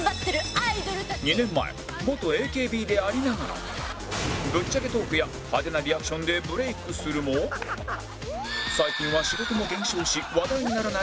２年前元 ＡＫＢ でありながらぶっちゃけトークや派手なリアクションでブレークするも最近は仕事も減少し話題にならない２２歳